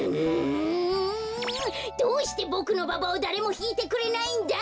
どうしてボクのババをだれもひいてくれないんだ！